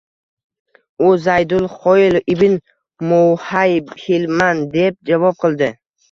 U: “Zaydul Xoyl ibn Muhayhilman”, deb javob qildi